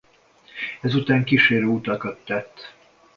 Ezután kísérő utakat tett.